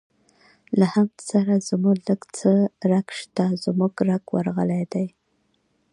له حمد سره زموږ لږ څه رګ شته، زموږ رګ ورغلی دی.